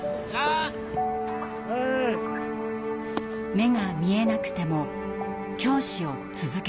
目が見えなくても教師を続けたい。